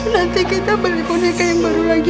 nanti kita beli boneka yang baru lagi